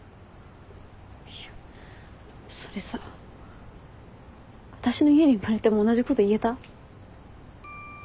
いやそれさ私の家に生まれても同じこと言えた？